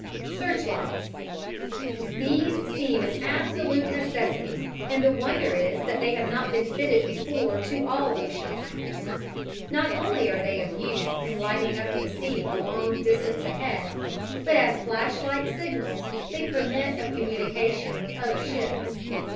Searchlights These seem an absolute necessity, and the wonder is that they have not been fitted before to all ocean liners. Not only are they of use in lighting up the sea a long distance ahead, but as flashlight signals they permit of communication with other ships.